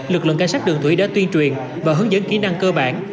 lực lượng cảnh sát đường thủy đã tuyên truyền và hướng dẫn kỹ năng cơ bản